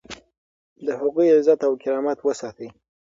د هغوی عزت او کرامت وساتئ.